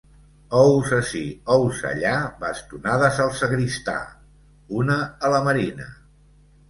Ous ací, ous allà, bastonades al sagristà! Una a la Marina!